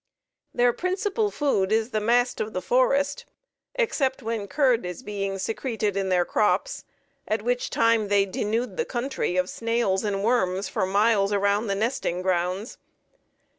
Their principal food is the mast of the forest, except when curd is being secreted in their crops, at which time they denude the country of snails and worms for miles around the nesting grounds.